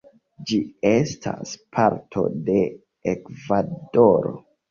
Ĝi estas parto de Ekvadoro.